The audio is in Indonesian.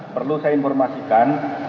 perlu saya informasikan